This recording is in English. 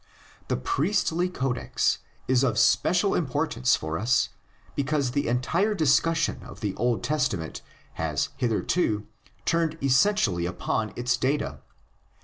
The Priestly Codex is of special importance for us because the entire discussion of the Old Testament has hitherto turned essentially upon its data.